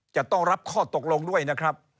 จะต้องรับข้อตกลงด้วยนะครับ